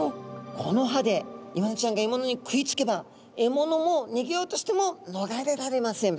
この歯でイワナちゃんがえものに食いつけばえものもにげようとしてものがれられません。